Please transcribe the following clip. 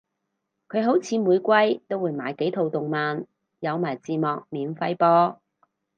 佢好似每季都會買幾套動漫有埋字幕免費播